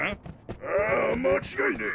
ああ間違いねえ！